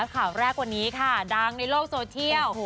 ข่าวแรกวันนี้ค่ะดังในโลกโซเชียล